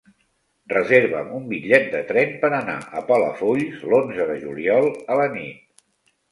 Reserva'm un bitllet de tren per anar a Palafolls l'onze de juliol a la nit.